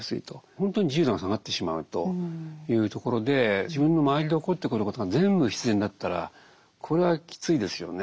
本当に自由度が下がってしまうというところで自分の周りで起こってくることが全部必然だったらこれはきついですよね。